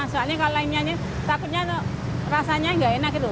soalnya kalau lainnya ini takutnya rasanya nggak enak gitu